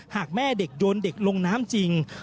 หากแม่เด็กโยนเด็กลงน้ำจริง